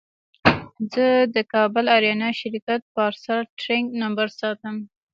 زه د کابل اریانا شرکت پارسل ټرېک نمبر ساتم.